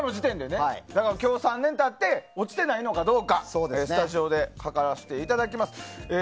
今日、３年経って落ちてないのかどうかスタジオで測らせていただきます。